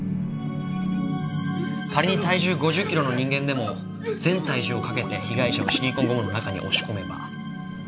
仮に体重５０キロの人間でも全体重をかけて被害者をシリコンゴムの中に押し込めば。